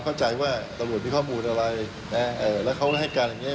ไม่มีข้อมูลอะไรแล้วเขาก็ให้การอย่างนี้